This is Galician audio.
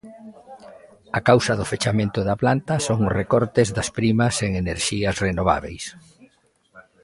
A causa do fechamento da planta son os recortes das primas en enerxías renovábeis.